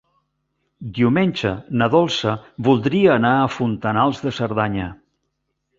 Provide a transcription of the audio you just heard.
Diumenge na Dolça voldria anar a Fontanals de Cerdanya.